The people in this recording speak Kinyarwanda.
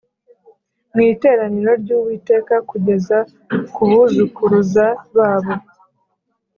mu iteraniro ry Uwiteka kugeza ku buzukuruza babo